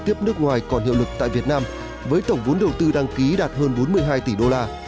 tiếp nước ngoài còn hiệu lực tại việt nam với tổng vốn đầu tư đăng ký đạt hơn bốn mươi hai tỷ đô la